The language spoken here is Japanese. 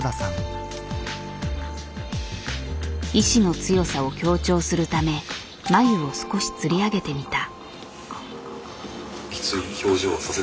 意志の強さを強調するため眉を少しつり上げてみた。